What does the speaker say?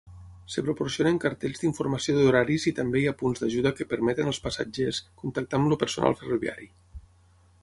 Es proporcionen cartells d'informació d'horaris i també hi ha punts d'ajuda que permeten als passatgers contactar amb el personal ferroviari.